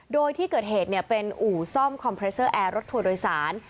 โดยที่เกิดเหตุเป็นอู่ซ่อมคอมเพรสเตอร์แอร์รถทัวร์โดยสาร